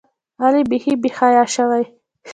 علي بیخي بېحیا شوی.